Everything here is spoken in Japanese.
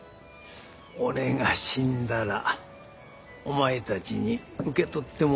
俺が死んだらお前たちに受け取ってもらいたいものが。